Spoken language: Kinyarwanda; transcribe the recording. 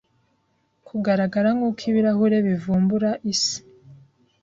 Kugaragara Nkuko ibirahure bivumbura Isi